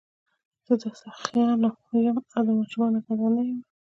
زه د سخیانو یم او د شومانو ګدا نه یمه.